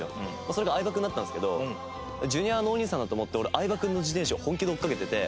それが相葉君だったんですけどＪｒ．のお兄さんだと思って俺相葉君の自転車を本気で追いかけてて。